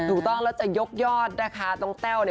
ถูกต้องแล้วจะยกยอดค่ะ